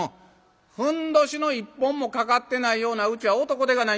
ふんどしの一本も掛かってないようなうちは男手がない。